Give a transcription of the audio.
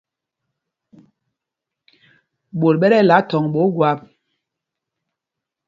Ɓot ɓɛ tí ɛla thɔŋ ɓɛ Ogwap.